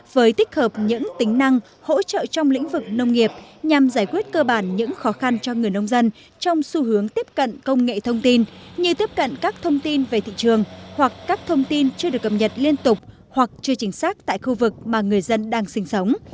với tích hợp những tính năng hỗ trợ trong lĩnh vực nông nghiệp nhằm giải quyết cơ bản những khó khăn cho người nông dân trong xu hướng tiếp cận công nghệ thông tin như tiếp cận các thông tin về thị trường hoặc các thông tin chưa được cập nhật liên tục hoặc chưa chính xác tại khu vực mà người dân đang sinh sống